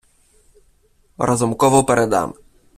Разумкову передам.